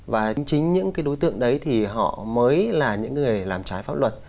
và chính những cái đối tượng đấy thì họ mới là những người làm trái pháp luật